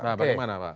nah bagaimana pak